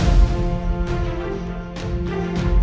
aku udah bilang